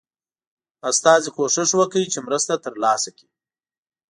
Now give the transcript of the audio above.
استازي کوښښ وکړ چې مرسته ترلاسه کړي.